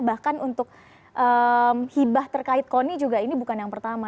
bahkan untuk hibah terkait koni juga ini bukan yang pertama